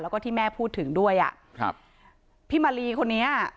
แล้วก็ที่แม่พูดถึงด้วยอ่ะครับพี่มาลีคนนี้